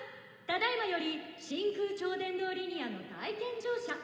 ただ今より真空超電導リニアの体験乗車。